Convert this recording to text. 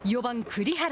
４番栗原。